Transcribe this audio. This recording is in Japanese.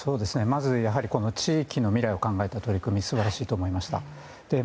まずやはり地域の未来を考えた取り組み素晴らしいと思いました。